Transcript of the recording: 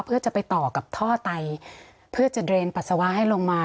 เพื่อจะไปต่อกับท่อไตเพื่อจะเดรนปัสสาวะให้ลงมา